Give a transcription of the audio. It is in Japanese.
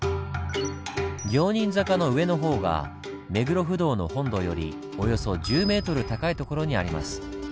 行人坂の上の方が目黒不動の本堂よりおよそ１０ｍ高い所にあります。